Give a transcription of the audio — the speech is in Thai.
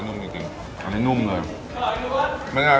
หอมกลิ่นแทนนิดหน่อยบ่าใช่ไหม